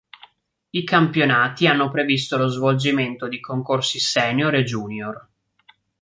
I campionati hanno previsto lo svolgimento di concorsi senior e junior.